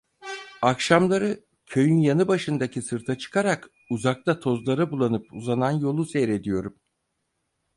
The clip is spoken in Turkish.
Akşamları köyün yanı başındaki sırta çıkarak uzakta tozlara bulanıp uzanan yolu seyrediyorum.